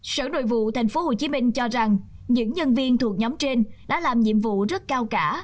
sở nội vụ tp hcm cho rằng những nhân viên thuộc nhóm trên đã làm nhiệm vụ rất cao cả